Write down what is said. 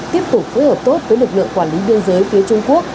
tiếp tục phối hợp tốt với lực lượng quản lý biên giới phía trung quốc